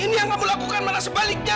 ini yang kamu lakukan malah sebaliknya